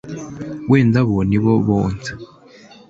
wenda bo ni bwo bonse